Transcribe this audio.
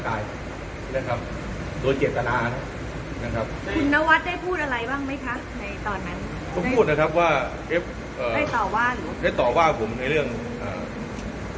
พูดนะครับเอ่อเอ่อได้ต่อว่าหรือได้ต่อว่าผมมีเรื่องอ่า